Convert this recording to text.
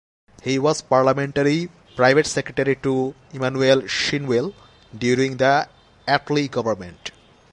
He was Parliamentary Private Secretary to Emanuel Shinwell during the Attlee government.